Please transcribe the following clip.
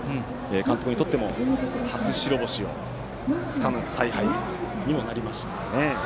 監督にとっても初白星をつかむ采配にもなりましたね。